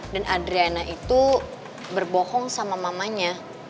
dan adriana itu berbohong sama mamanya